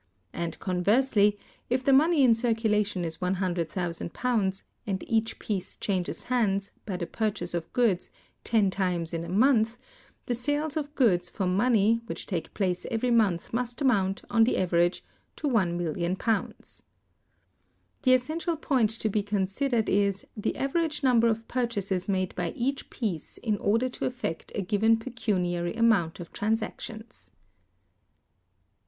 And, conversely, if the money in circulation is £100,000, and each piece changes hands, by the purchase of goods, ten times in a month, the sales of goods for money which take place every month must amount, on the average, to £1,000,000. [The essential point to be considered is] the average number of purchases made by each piece in order to affect a given pecuniary amount of transactions.